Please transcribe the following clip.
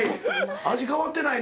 味変わってないの？